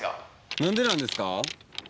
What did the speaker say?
何でなんですか？